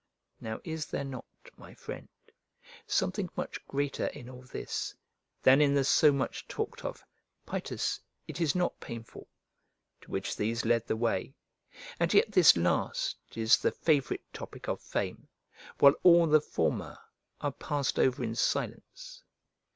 Now, is there not, my friend, something much greater in all this than in the so much talked of "Paetus, it is not painful," to which these led the way? And yet this last is the favourite topic of fame, while all the former are passed over in silence.